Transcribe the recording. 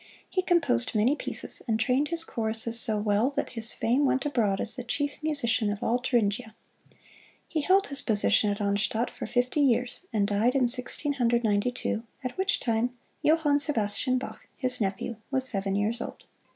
He composed many pieces, and trained his choruses so well that his fame went abroad as the chief musician of all Thuringia. He held his position at Arnstadt for fifty years, and died in Sixteen Hundred Ninety two, at which time Johann Sebastian Bach, his nephew, was seven years old.